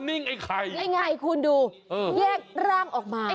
นี่ไงคุณดูแยกร่างออกมา